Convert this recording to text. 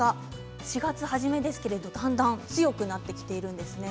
４月初めですがだんだん強くなってきているんですね。